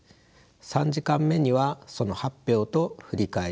３時間目にはその発表と振り返り。